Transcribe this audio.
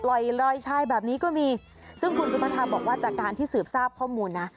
ลอยลอยชายแบบนี้ก็มีซึ่งคุณสุภาษาบอกว่าจากการที่สืบทราบข้อมูลนะ